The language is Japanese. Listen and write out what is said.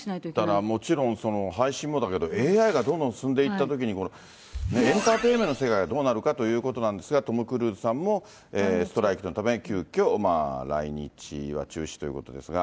だからもちろん、配信もだけど、ＡＩがどんどん進んでいったときに、エンターテインメントの世界はどうなるかということなんですが、トム・クルーズさんもストライキのため急きょ来日は中止ということですが。